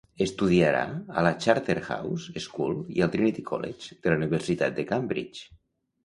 Estudiarà a la Charterhouse School i al Trinity College de la Universitat de Cambridge.